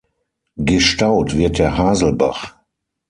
Gestaut wird der Haselbach.